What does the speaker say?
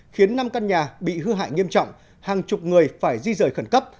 khiến năm căn nhà bị hư hại nghiêm trọng hàng chục người phải di rời khẩn cấp